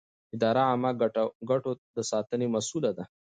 اداره د عامه ګټو د ساتنې مسووله ده.